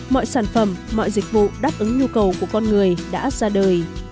mọi sản phẩm mọi dịch vụ đáp ứng nhu cầu của con người đã ra đời